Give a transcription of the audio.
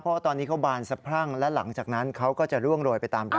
เพราะว่าตอนนี้เขาบานสะพรั่งและหลังจากนั้นเขาก็จะร่วงโรยไปตามร้าน